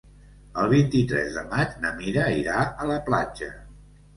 El vint-i-tres de maig na Mira irà a la platja.